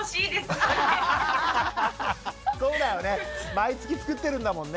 毎月作ってるんだもんね。